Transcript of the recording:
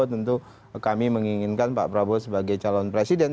tentu kami menginginkan pak prabowo sebagai calon presiden